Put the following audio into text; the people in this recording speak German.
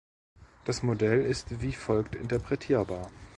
Das Modell ist wie folgt interpretierbar.